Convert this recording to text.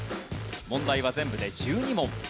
問題は全部で１２問。